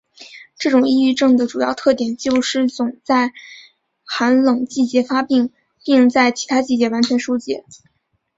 这种抑郁症的主要特点就是总是在寒冷季节发病并在其他季节完全缓解。